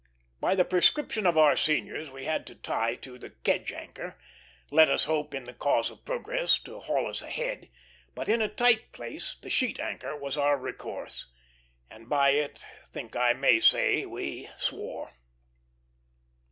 By the prescription of our seniors we had to tie to The Kedge Anchor, let us hope in the cause of progress, to haul us ahead; but in a tight place The Sheet Anchor was our recourse, and by it think I may say we swore.